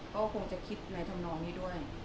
ก็คงจะคิดในธรรมนองนี้ด้วย